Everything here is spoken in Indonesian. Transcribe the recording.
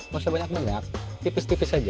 mau sebanyak banyak tipis tipis aja